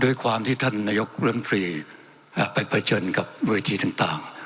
ด้วยความที่ท่านนายกรัฐมนตรีไปเผชิญกับเวทีต่าง